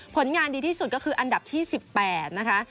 ผลงานดีที่สุดก็คืออันดับที่๑๘นะคะ